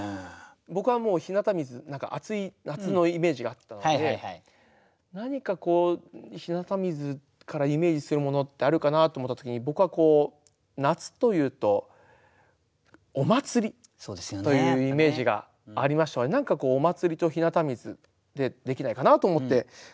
僕はもう「日向水」何か暑い夏のイメージがあったので何か「日向水」からイメージするものってあるかなって思った時に僕は夏というと「お祭り」というイメージがありましたので何か「お祭り」と「日向水」でできないかなと思って考えて。